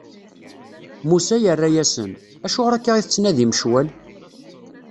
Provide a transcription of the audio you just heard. Musa yerra-asen: Acuɣer akka i tettnadim ccwal?